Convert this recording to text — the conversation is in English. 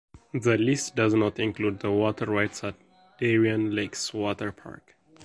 This list does not include the water rides at Darien Lake's water park.